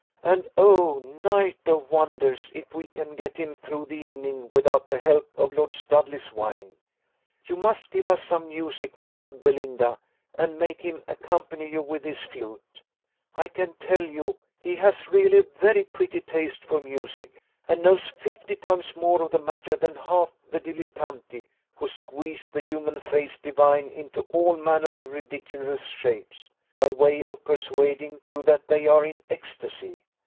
"And, O night of wonders! if we can get him through the evening without the help of Lord Studley's wine. You must give us some music, my good Belinda, and make him accompany you with his flute. I can tell you he has really a very pretty taste for music, and knows fifty times more of the matter than half the dilettanti, who squeeze the human face divine into all manner of ridiculous shapes, by way of persuading you that they are in ecstasy!